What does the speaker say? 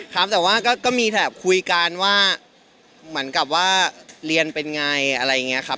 ครับแต่ว่าก็มีแบบคุยกันว่าเหมือนกับว่าเรียนเป็นไงอะไรอย่างนี้ครับ